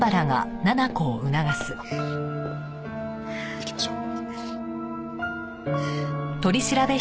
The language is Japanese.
行きましょう。